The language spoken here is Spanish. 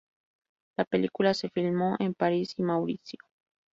La película se filmó en Paris y Mauricio.